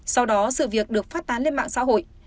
sau đó sự việc được phát tán lên mạng xã hội